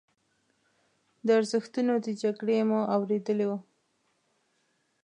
د ارزښتونو د جګړې مو اورېدلي وو.